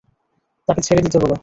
তাকে ছেড়ে দিতে বলো!